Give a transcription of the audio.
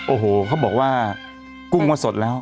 โอ้โหเขาบอกว่ากุ้งว่าสดแล้ว